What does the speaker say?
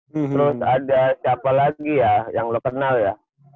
terus ada siapa lagi ya yang lo kenal ya